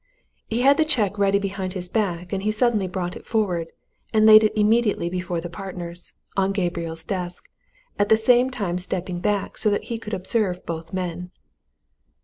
He had the cheque ready behind his back, and he suddenly brought it forward, and laid it immediately before the partners, on Gabriel's desk, at the same time stepping back so that he could observe both men.